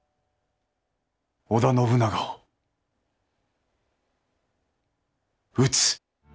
織田信長を討つ。